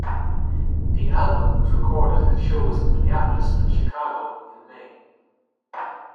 The album was recorded at shows in Minneapolis and Chicago in May.